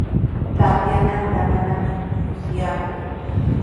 Tamyananta manami musyaaku.